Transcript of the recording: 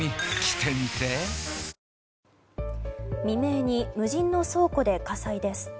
未明に無人の倉庫で火災です。